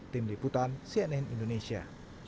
tim liputan cnn indonesia